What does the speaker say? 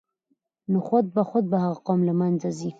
نو خود به خود به هغه قوم له منځه ځي.